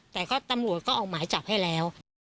แต่ก็ตำรวจก็ออกหมายจับให้แล้ว